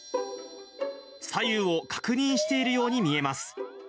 左右を確認しているように見えます。